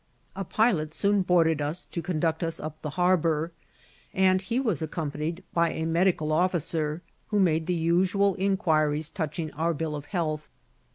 A pilot soon boarded us to conduct us up the harbour, and he was accompanied by a medical officer, who made the usual inquiries touching our bill of health.